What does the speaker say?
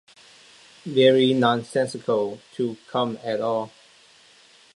Very nonsensical to come at all!